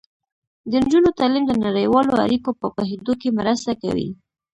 د نجونو تعلیم د نړیوالو اړیکو په پوهیدو کې مرسته کوي.